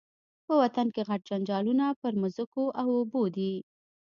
په وطن کي غټ جنجالونه پر مځکو او اوبو دي